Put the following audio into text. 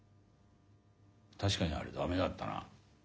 確かにあれ駄目だったな。